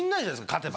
勝てば。